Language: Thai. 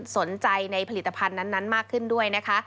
สนใจในผลิตภัณฑ์นั้นมากขึ้นด้วยนะคะ